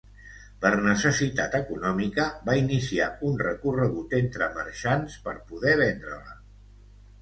Per necessitat econòmica, va iniciar un recorregut entre marxants per poder vendre-la.